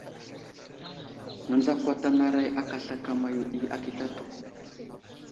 Nənzakwatanaray aka slakama yo ɗi akitatu.